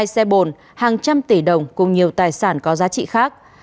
hai mươi hai xe bồn hàng trăm tỷ đồng cùng nhiều tài sản có giá trị khác